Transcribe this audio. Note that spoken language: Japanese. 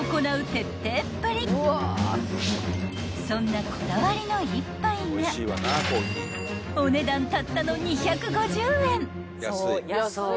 ［そんなこだわりの一杯がお値段たったの２５０円］